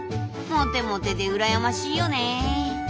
モテモテでうらやましいよね。